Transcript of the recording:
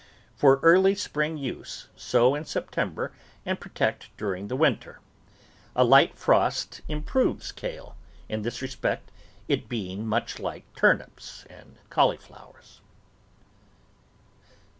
For early spring use, sow in September and protect during winter. A light frost improves kale, in this respect it being much like turnips and cauliflowers.